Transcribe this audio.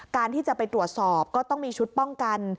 การที่จะไปตรวจสอบก็ต้องมีชุดป้องกัน